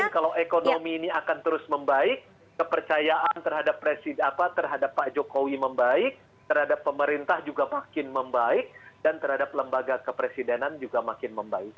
kalau ekonomi ini akan terus membaik kepercayaan terhadap pak jokowi membaik terhadap pemerintah juga makin membaik dan terhadap lembaga kepresidenan juga makin membaik